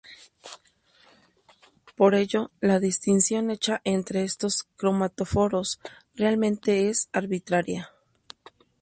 Por ello, la distinción hecha entre estos cromatóforos realmente es arbitraria.